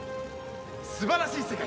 素晴らしい世界！